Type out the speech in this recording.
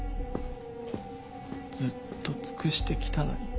ずっと尽くしてきたのに。